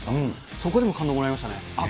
そこでも感動もらいましたね。